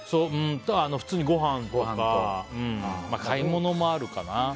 普通にごはんとか買い物もあるかな。